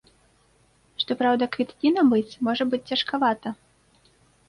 Што праўда, квіткі набыць можа быць цяжкавата.